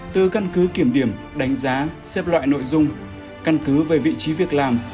từ căn cứ kiểm điểm đánh giá xếp loại nội dung căn cứ về vị trí việc làm